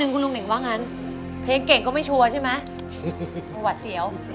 ก่อนน้อนหนาว